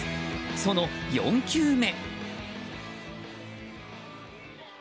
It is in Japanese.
その４球目。